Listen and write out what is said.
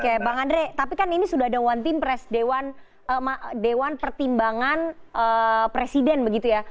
oke bang andre tapi kan ini sudah ada one team press dewan pertimbangan presiden begitu ya